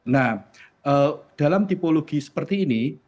nah dalam tipologi seperti ini